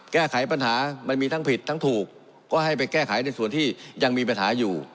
แก้ไขปัญหามันมีทั้งผิดทั้งถูกก็ให้ไปแก้ไขในส่วนที่ยังมีปัญหาอยู่